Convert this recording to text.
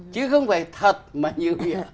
chứ không phải thật mà như bịa